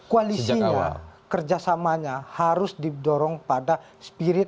koalisinya kerjasamanya harus didorong pada spirit